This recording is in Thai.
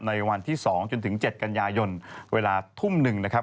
ในวันที่๒จนถึง๗กันยายนเวลาทุ่มหนึ่งนะครับ